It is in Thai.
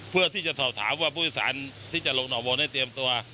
เพื่อที่จะสอบถามว่าผู้โดยสารที่จะลงห่อวงได้เตรียมตัว